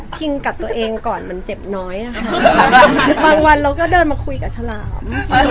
ถึงกัดตัวเองก่อนด้านเจ็บน้อยแต่บางวันเราก็คุยกับฉลาม